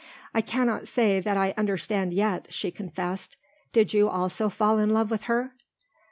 "I cannot say that I understand yet," she confessed. "Did you also fall in love with her?"